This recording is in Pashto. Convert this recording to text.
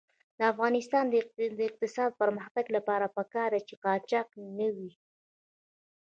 د افغانستان د اقتصادي پرمختګ لپاره پکار ده چې قاچاق نه وي.